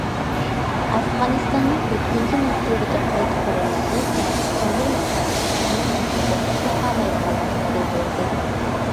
ئافغانىستاننىڭ ئۆتكۈنچى مەزگىلدىكى قايتا قۇرۇلۇشى ۋە ئىستانبۇل مۇساپىسى ئۈچۈن تۆھپە قوشۇشنى خالايدىغانلىقىنى بىلدۈردى.